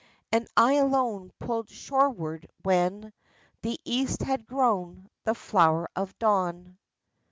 And I alone pulled shoreward when The East had grown the flower of dawn.